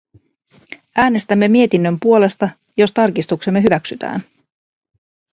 Äänestämme mietinnön puolesta, jos tarkistuksemme hyväksytään.